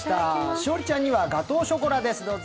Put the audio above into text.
栞里ちゃんにはガトーショコラです、どうぞ。